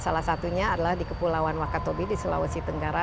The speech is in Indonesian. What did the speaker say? salah satunya adalah di kepulauan wakatobi di sulawesi tenggara